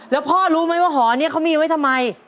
แล้วพ่อรู้ไหมว่าหอนี้เขามีไว้ทำไม